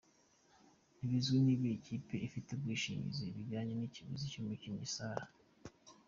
Ntibizwi niba iyi kipe ifite ubwishingizi bujyanye n'ikiguzi cy'umukinnyi Sala.